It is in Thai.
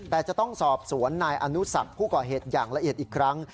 แต่จะต้องสอบสวนนายอนุสักผู้ก่อเหตุอย่างละเอียดอีกครั้ง